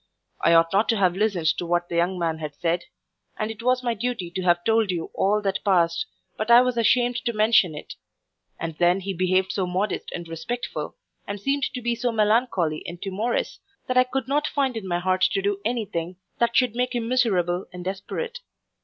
I ought not to have listened to what the young man said; and it was my duty to have told you all that passed, but I was ashamed to mention it; and then he behaved so modest and respectful, and seemed to be so melancholy and timorous, that I could not find in my heart to do any thing that should make him miserable and desperate.